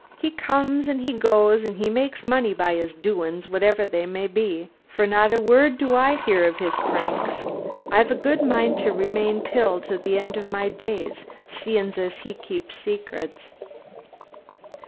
He comes and he goes and makes money by 'is doin's, whatever they may be. For not a word do I 'ear of 'is pranks. I've a good mind to remain Pill to the end of my days, seein' as he keeps secrets."